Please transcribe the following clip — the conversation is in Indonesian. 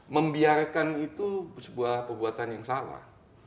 membiarkan itu sebuah perbuatan yang salah